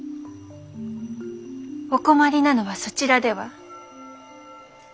お困りなのはそちらでは？